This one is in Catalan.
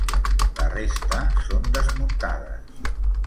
La resta són desmuntades.